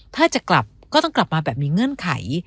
ถ้าจะกลับก็ต้องกลับมาแบบมีเงื่อนไข